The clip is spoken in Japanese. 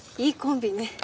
いいコンビね。